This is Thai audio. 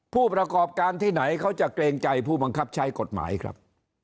ผู้ประกอบการที่ไหนเขาจะเกรงใจผู้บังคับใช้กฎหมายครับ